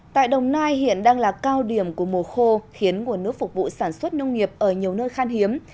tại đồng nai hiện đang là cao điểm của mùa khô khiến nguồn nước phục vụ sản xuất nông nghiệp ở nhiều nơi khan hiếm